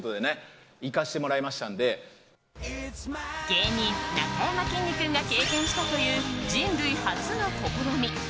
芸人・なかやまきんに君が経験したという人類初の試み。